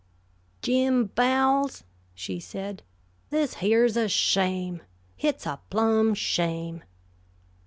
"Jim Bowles," she said, "this here is a shame! Hit's a plumb shame!"